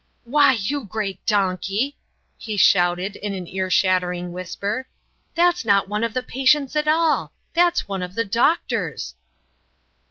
"Why, you great donkey," he shouted, in an ear shattering whisper, "that's not one of the patients at all. That's one of the doctors."